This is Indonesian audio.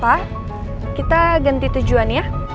pa kita ganti tujuan ya